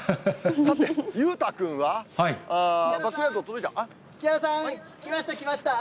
さて、裕太君は、バックヤード、木原さん、来ました、来ました。